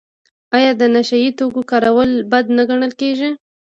آیا د نشه یي توکو کارول بد نه ګڼل کیږي؟